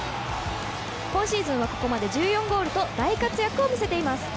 今シーズンはここまで１４ゴールと大活躍を見せています。